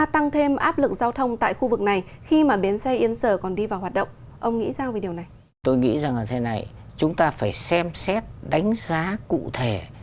tôi nghĩ rằng là thế này chúng ta phải xem xét đánh giá cụ thể